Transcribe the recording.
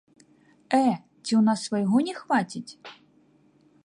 Э, ці ў нас свайго не хваціць?